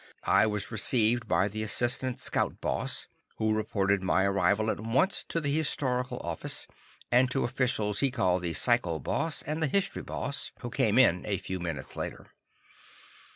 I was received by the assistant Scout Boss, who reported my arrival at once to the historical office, and to officials he called the Psycho Boss and the History Boss, who came in a few minutes later.